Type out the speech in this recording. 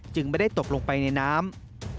ไม่ได้ตกลงไปในน้ำ